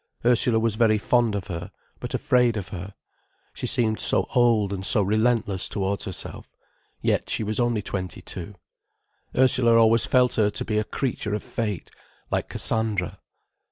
Ursula was very fond of her, but afraid of her. She seemed so old and so relentless towards herself. Yet she was only twenty two. Ursula always felt her to be a creature of fate, like Cassandra.